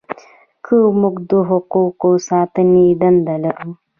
که موږ د حقوقو د ساتنې دنده لرو.